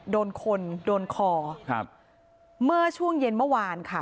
โดนคนโดนคอครับเมื่อช่วงเย็นเมื่อวานค่ะ